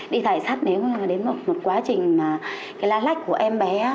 đi thải sát nếu mà đến một quá trình mà cái la lách của em bé